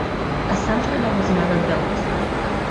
A center that was never built.